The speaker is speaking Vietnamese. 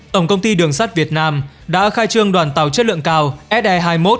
tổng công ty đường sắt việt nam đã khai trương đoàn tàu chất lượng cao se hai mươi một hai mươi hai